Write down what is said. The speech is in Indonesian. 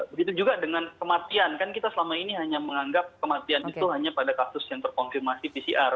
begitu juga dengan kematian kan kita selama ini hanya menganggap kematian itu hanya pada kasus yang terkonfirmasi pcr